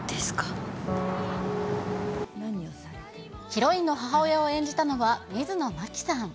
ヒロインの母親を演じたのは、水野真紀さん。